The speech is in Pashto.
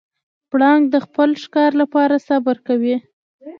پړانګ د خپل ښکار لپاره صبر کوي.